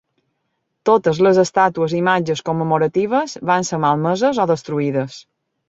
Totes les estàtues i imatges commemoratives van ser malmeses o destruïdes.